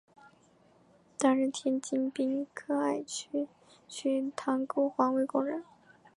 担任天津滨海新区塘沽环卫工人。